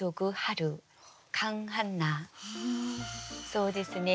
そうですね。